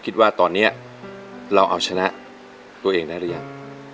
คิดว่าตอนนี้เราเอาชนะตัวเองได้หรือยัง